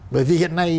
bởi vì hiện nay